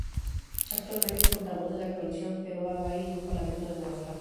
Actualmente es portavoz de la coalición Geroa Bai en el Parlamento de Navarra.